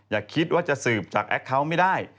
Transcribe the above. อย่าคิดว่าจะสืบจากแอคเคาน์ไม่ได้